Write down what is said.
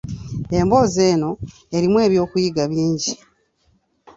Emboozi eno erimu eby'okuyiga bingi.